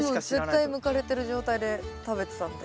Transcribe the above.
絶対むかれてる状態で食べてたんで。